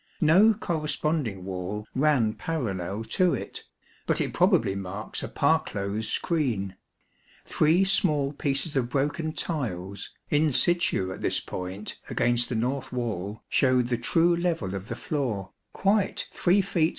No corresponding wall ran parallel to it, but it probably marks a parclose screen. Three small pieces of broken tiles, in situ at this point against the north wall, showed the true level of the floor ; quite 3 feet 6 inches SOOTH CHAPEL OF SOUTH TRANSEPT.